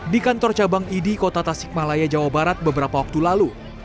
di kantor cabang idi kota tasik malaya jawa barat beberapa waktu lalu